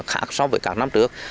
khác so với các năm trước